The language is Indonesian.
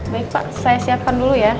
baik pak saya siapkan dulu ya